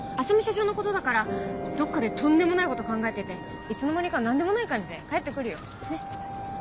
浅海社長のことだからどっかでとんでもないこと考えてていつの間にか何でもない感じで帰って来るよ。